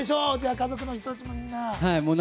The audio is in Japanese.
家族の人たちも、みんな。